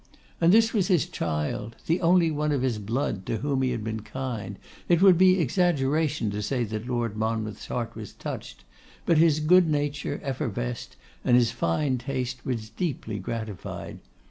And this was his child; the only one of his blood to whom he had been kind. It would be exaggeration to say that Lord Monmouth's heart was touched; but his goodnature effervesced, and his fine taste was deeply gratified.